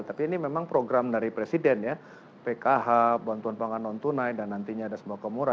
tapi ini memang program dari presiden ya pkh bantuan pangan non tunai dan nantinya ada sembako mura